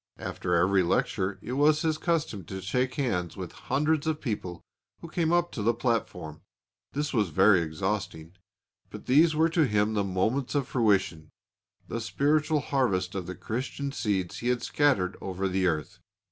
After every lecture it was his custom to shake hands with hundreds of people who came up to the platform. This was very exhausting, but these were to him the moments of fruition the spiritual harvest of the Christian seeds he had scattered over the earth.